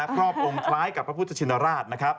ครอบองค์คล้ายกับพระพุทธชนราช